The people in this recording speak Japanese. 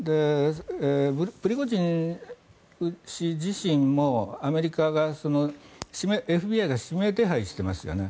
プリゴジン氏自身もアメリカのＦＢＩが指名手配していますよね